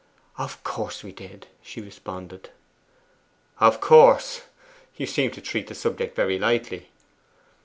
'Of course we did,' she responded. '"Of course!" You seem to treat the subject very lightly?